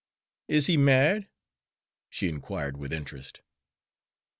"Is he married?" she inquired with interest?